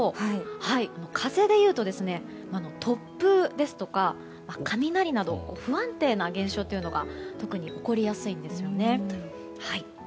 風でいうと突風ですとか雷など不安定な現象というのが特に起こりやすいんですよね。